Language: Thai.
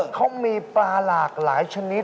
เขามีปลาหลากหลายชนิด